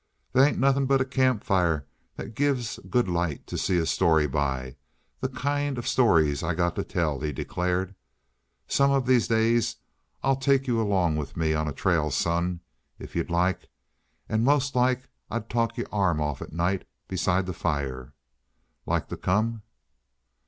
"They ain't nothing but a campfire that gives a good light to see a story by the kind of stories I got to tell," he declared. "Some of these days I'll take you along with me on a trail, son, if you'd like and most like I'll talk your arm off at night beside the fire. Like to come?"